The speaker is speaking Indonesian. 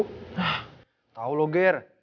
ah tau lo ger